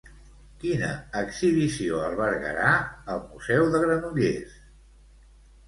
Quina exhibició albergarà el Museu de Granollers?